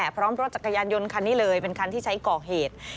พร้อมรถจักรยานยนต์คันนี้เลยเป็นคันที่ใช้ก่อเหตุ